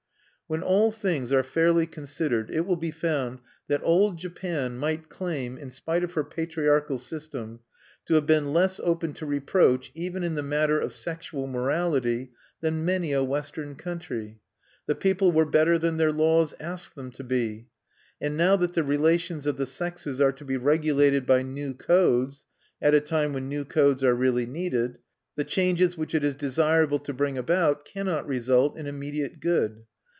When all things are fairly considered, it will be found that Old Japan might claim, in spite of her patriarchal system, to have been less open to reproach even in the matter of sexual morality than many a Western country. The people were better than their laws asked them to be. And now that the relations of the sexes are to be regulated by new codes, at a time when new codes are really needed, the changes which it is desirable to bring about cannot result in immediate good.